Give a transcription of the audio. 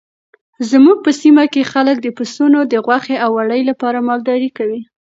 زموږ په سیمه کې خلک د پسونو د غوښې او وړۍ لپاره مالداري کوي.